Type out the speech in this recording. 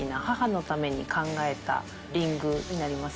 リングになります。